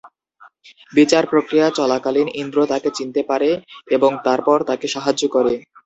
বিচার প্রক্রিয়া চলাকালীন ইন্দ্র তাকে চিনতে পারে এবং তারপর তাকে সাহায্য করে।